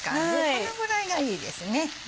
このぐらいがいいですね。